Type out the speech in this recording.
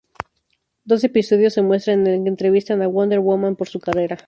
Dos episodios se muestran en el que entrevistan a Wonder Woman por su carrera.